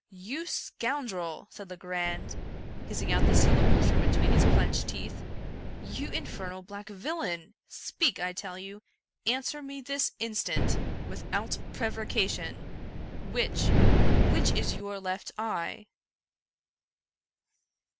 " You scoundrel !" said Legrand, hissing out the sylla bles from between his clenched teeth —" you infernal black villain! — speak, I tell you! — answer me this instant, with out prevarication !— which — which is your left eye